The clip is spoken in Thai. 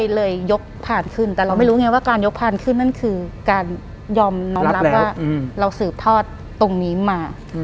เลยยกผ่านขึ้นแต่เราไม่รู้ไงว่าการยกผ่านขึ้นนั่นคือการยอมน้องรับว่าเราสืบทอดตรงนี้มา